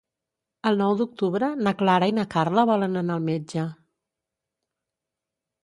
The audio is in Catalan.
El nou d'octubre na Clara i na Carla volen anar al metge.